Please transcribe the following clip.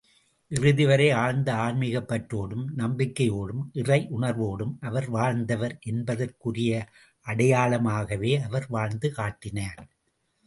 இறுதி வரை ஆழ்ந்த ஆன்மிகப் பற்றோடும், நம்பிக்கையோடும், இறையுணர்வோடும் அவர் வாழ்ந்தவர் என்பதற்குரிய அடையாளமாகவே அவர் வாழ்ந்து காட்டினார்.